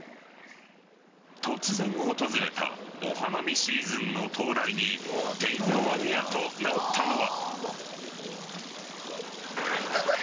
突然訪れたお花見シーズンの到来にてんやわんやとなったのは。